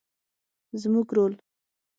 زموږ رول